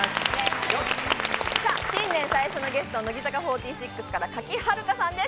新年最初のゲスト、乃木坂４６から賀喜遥香さんです。